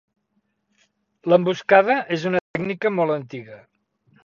L'emboscada és una tècnica molt antiga.